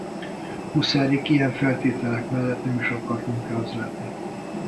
Huszárik ilyen feltételek mellett nem is akart munkához látni.